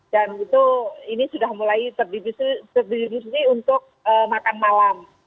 dan itu ini sudah mulai terdibisi untuk makan malam